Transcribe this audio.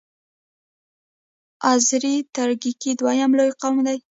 آذری ترکګي دویم لوی قوم دی.